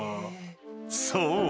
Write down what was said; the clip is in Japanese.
［そう！